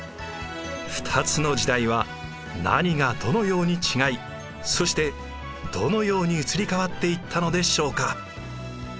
２つの時代は何がどのように違いそしてどのように移り変わっていったのでしょうか。